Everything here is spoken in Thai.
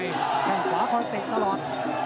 ยืนขวาคอนเตตตลอด